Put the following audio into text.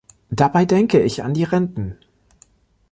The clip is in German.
Dabei denke ich an die Renten.